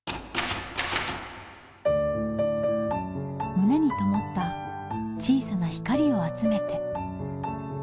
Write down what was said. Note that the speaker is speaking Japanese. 胸にともった小さな光を集めて。